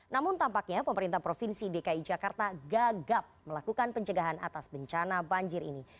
namun tampaknya pemerintah provinsi dki jakarta gagap melakukan pencegahan atas bencana banjir ini